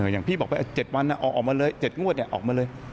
อย่างพี่บอกไป๗วันออกมาเลย๗งวดออกมาเลย